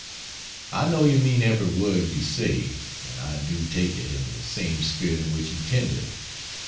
I know you "mean every word you say" and I do take it "in the same spirit in which you tender it."